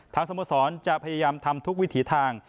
ทางสมสรรค์จะพยายามทำทุกวิถีทาง